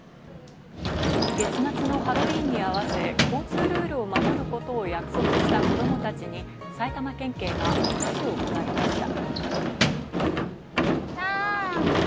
月末のハロウィーンに合わせ、交通ルールを守ることを約束した子供たちに埼玉県警がお菓子を配りました。